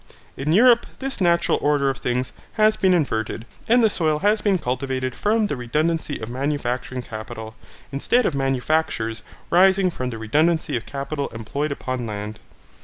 In Europe, this natural order of things has been inverted, and the soil has been cultivated from the redundancy of manufacturing capital, instead of manufactures rising from the redundancy of capital employed upon land.